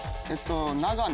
長野。